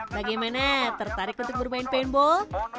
bagaimana tertarik untuk bermain paintball